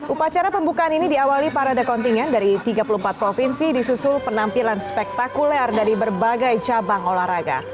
upacara pembukaan ini diawali parade kontingen dari tiga puluh empat provinsi disusul penampilan spektakuler dari berbagai cabang olahraga